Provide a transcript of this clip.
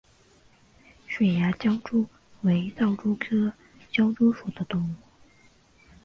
水涯狡蛛为盗蛛科狡蛛属的动物。